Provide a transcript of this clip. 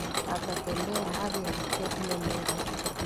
Atatembea hadi afike kule mbele